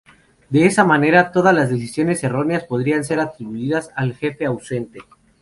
De esa manera, todas las decisiones erróneas podían ser atribuidas al jefe ausente.